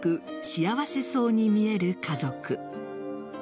幸せそうに見える家族。